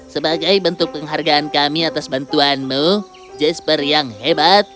sebagai bentuk penghargaan kami atas bantuanmu jasper yang hebat